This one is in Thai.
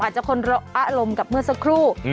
อาจจะคนอะลมกับเมื่อสักครู่